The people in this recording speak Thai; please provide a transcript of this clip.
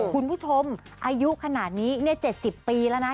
คุณผู้ชมอายุขนาดนี้๗๐ปีแล้วนะ